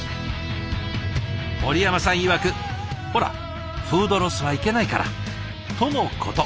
森山さんいわく「ほらフードロスはいけないから」とのこと。